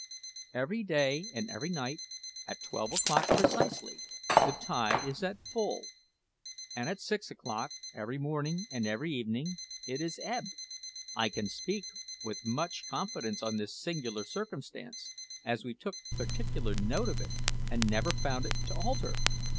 Every day and every night, at twelve o'clock precisely, the tide is at the full; and at six o'clock, every morning and evening, it is ebb. I can speak with much confidence on this singular circumstance, as we took particular note of it, and never found it to alter.